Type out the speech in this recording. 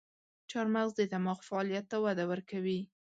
چارمغز د دماغ فعالیت ته وده ورکوي.